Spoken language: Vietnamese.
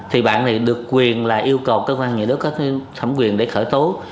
thì bạn này được quyền là yêu cầu cơ quan nghị đối với thẩm quyền để khởi tố